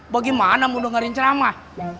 bagaimana mau dengerin ceramah